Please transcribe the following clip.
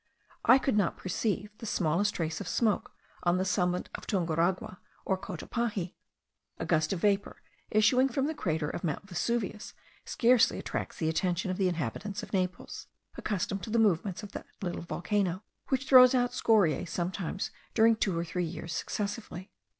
I could not perceive the smallest trace of smoke on the summit of Tunguragua or Cotopaxi. A gust of vapour issuing from the crater of Mount Vesuvius scarcely attracts the attention of the inhabitants of Naples, accustomed to the movements of that little volcano, which throws out scoriae sometimes during two or three years successively.